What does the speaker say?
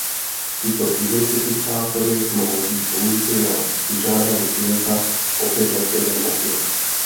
Tyto identifikátory mohou být použity na vyžádání klienta opět na stejném okně.